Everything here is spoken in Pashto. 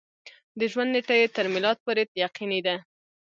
د ژوند نېټه یې تر میلاد پورې یقیني ده.